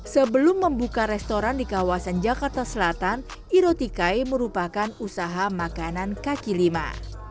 sebelum membuka restoran di kawasan jakarta selatan irotikai merupakan usaha makanan kaki lima